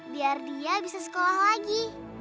biar dia bisa sekolah lagi